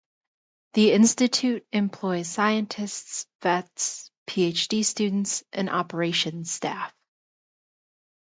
The Institute employs scientists, vets, PhD students and operations staff.